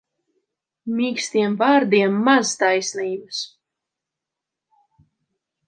Mīkstiem vārdiem maz taisnības.